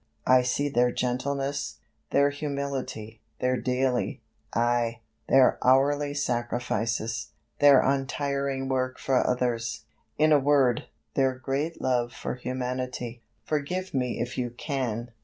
I see their gentleness, their humility, their daily aye, their hourly sacrifices, their untiring work for others; in a word, their great love for humanity. Forgive me if you can."